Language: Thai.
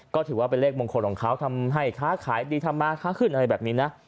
ก็ถือว่าเป็นเลขมงคลของเขาทำให้ค้าขายดีทำมาค้าขึ้นอะไรแบบนี้นะ